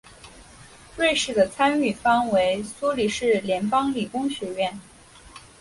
瑞士的参与方为苏黎世联邦理工学院。